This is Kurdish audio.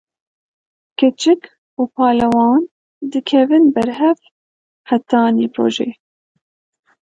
Keçik û palewan dikevin ber hev, heta nîvrojê.